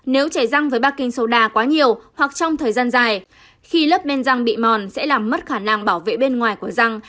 nếu trẻ răng với baking soda quá nhiều hoặc trong thời gian dài khi lớp bên răng bị mòn sẽ làm mất khả năng bảo vệ bên ngoài của răng